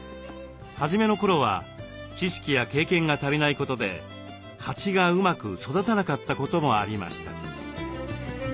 初めの頃は知識や経験が足りないことで蜂がうまく育たなかったこともありました。